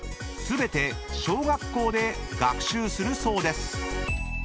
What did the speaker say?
［全て小学校で学習するそうです］